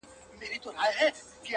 د دستار سرونه یو نه سو را پاته-